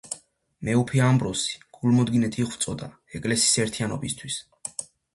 მეუფე ამბროსი გულმოდგინედ იღვწოდა ეკლესიის ერთიანობისათვის.